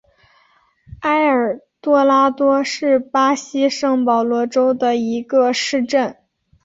埃尔多拉多是巴西圣保罗州的一个市镇。